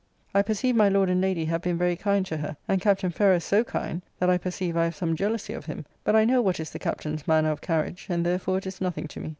I perceive my Lord and Lady have been very kind to her, and Captn. Ferrers so kind that I perceive I have some jealousy of him, but I know what is the Captain's manner of carriage, and therefore it is nothing to me.